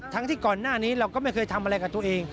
ที่ก่อนหน้านี้เราก็ไม่เคยทำอะไรกับตัวเอง